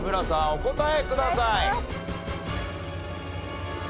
お答えください。